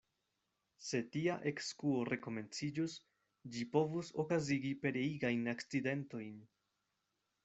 Se tia ekskuo rekomenciĝus, ĝi povus okazigi pereigajn akcidentojn.